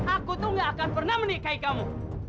aku tuh gak akan pernah menikahi kamu